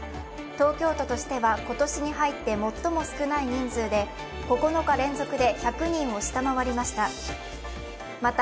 東京都としては今年に入って最も少ない人数で９日連続で１００人を下回りました。